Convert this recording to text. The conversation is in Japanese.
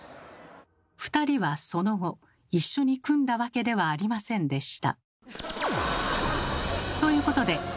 ２人はその後一緒に組んだわけではありませんでした。